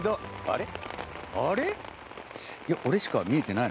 あれ？